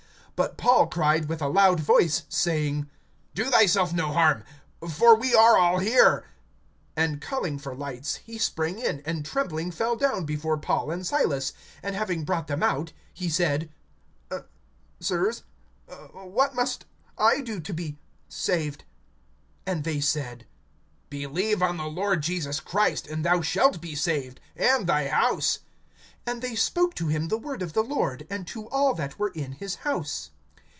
(28)But Paul cried with a loud voice, saying: Do thyself no harm; for we are all here. (29)And calling for lights, he sprang in, and trembling fell down before Paul and Silas; (30)and having brought them out, he said: Sirs, what must I do to be saved? (31)And they said: Believe on the Lord Jesus Christ, and thou shalt be saved, and thy house. (32)And they spoke to him the word of the Lord, and to all that were in his house.